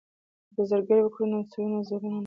که زرګري وکړو نو سرو زرو نه ورکيږي.